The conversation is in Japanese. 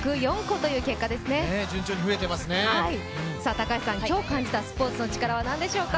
高橋さん、今日感じたスポーツのチカラは何でしょうか？